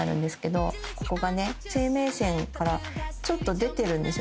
ここがね生命線からちょっと出てるんですよね。